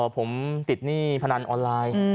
ผมติดหนี้พนันออนไลน์